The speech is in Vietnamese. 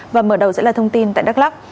và mở đầu sẽ là thông tin tại đắk lắc